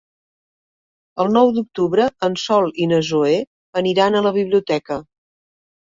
El nou d'octubre en Sol i na Zoè aniran a la biblioteca.